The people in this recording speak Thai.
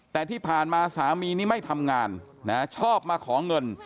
แต่ที่ผ่านมาสามีนี่ไม่ทำงานนะชอบมาขอเงิน